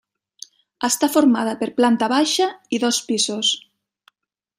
Està formada per planta baixa i dos pisos.